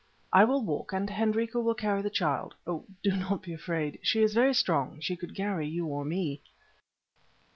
I will walk, and Hendrika will carry the child. Oh, do not be afraid, she is very strong, she could carry you or me."